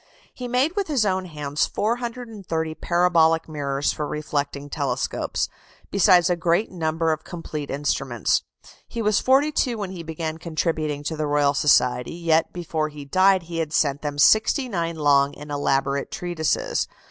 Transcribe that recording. He made with his own hands 430 parabolic mirrors for reflecting telescopes, besides a great number of complete instruments. He was forty two when he began contributing to the Royal Society; yet before he died he had sent them sixty nine long and elaborate treatises.